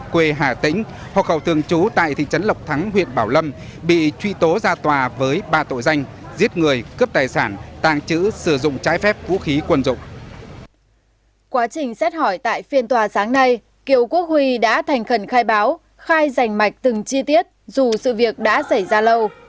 quá trình xét hỏi tại phiên tòa sáng nay kiều quốc huy đã thành khẩn khai báo khai rành mạch từng chi tiết dù sự việc đã xảy ra lâu